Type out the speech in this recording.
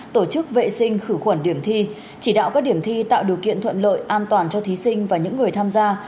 tổ chức vệ sinh khử khuẩn điểm thi chỉ đạo các điểm thi tạo điều kiện thuận lợi an toàn cho thí sinh và những người tham gia